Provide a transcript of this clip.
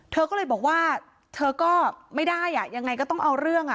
เธอก็เลยบอกว่าเธอก็ไม่ได้ยังไงก็ต้องเอาเรื่อง